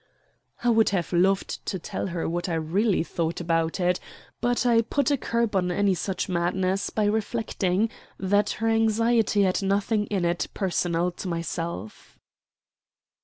I would have loved to tell her what I really thought about it; but I put a curb on any such madness by reflecting that her anxiety had nothing in it personal to myself.